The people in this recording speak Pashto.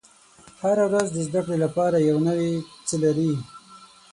• هره ورځ د زده کړې لپاره یو نوی څه لري.